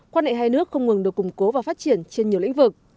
quan hệ hai nước không ngừng được củng cố và phát triển trên nhiều lĩnh vực